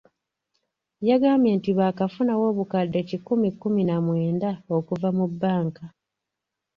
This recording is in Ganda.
Yagambye nti baakafunawo obukadde kikumi kkumi na mwenda okuva mu bbanka.